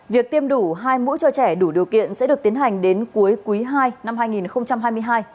việc tiêm đủ hai mũi cho trẻ đủ điều kiện sẽ được tiến hành đến cuối quý ii năm hai nghìn hai mươi hai